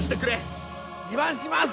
自慢します！